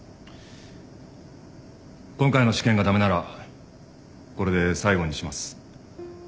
今回の試験が駄目ならこれで最後にします。